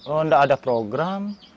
tidak ada program